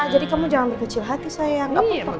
jadi kamu jangan berkecil hati sayang